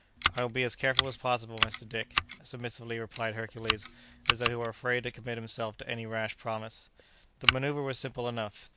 "I will be as careful as possible, Mr. Dick," submissively replied Hercules, as though he were afraid to commit himself to any rash promise. The manoeuvre was simple enough.